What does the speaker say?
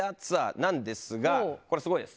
これすごいです。